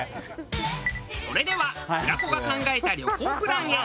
それでは平子が考えた旅行プランへ。